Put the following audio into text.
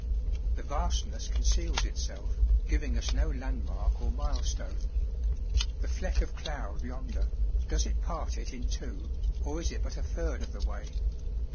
The vastness conceals itself, giving us no landmark or milestone. The fleck of cloud yonder, does it part it in two, or is it but a third of the way?